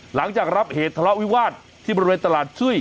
หลังจากรับเหตุทะเลาะวิวาสที่บริเวณตลาดจุ้ย